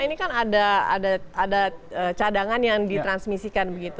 ini kan ada cadangan yang di transmisikan begitu